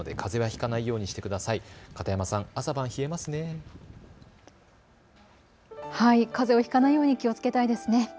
かぜをひかないように気をつけたいですね。